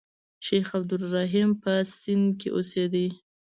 شیخ عبدالرحیم په سند کې اوسېدی.